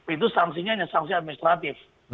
itu sanksinya hanya sanksi administratif